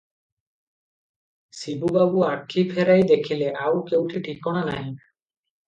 ଶିବୁ ବାବୁ ଆଖି ଫେରାଇ ଦେଖିଲେ, ଆଉ କେଉଁଠି ଠିକଣା ନାହିଁ ।